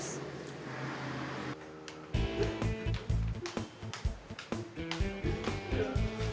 sorry ya nanti ya terus